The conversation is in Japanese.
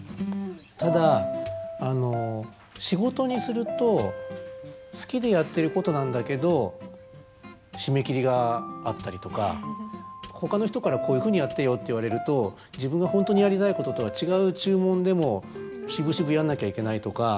ただ仕事にすると好きでやっていることなんだけど締め切りがあったりとかほかの人からこういうふうにやってよって言われると自分が本当にやりたいこととは違う注文でもしぶしぶやんなきゃいけないとか。